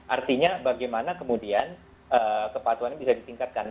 artinya bagaimana kemudian kepatuhan ini bisa ditingkatkan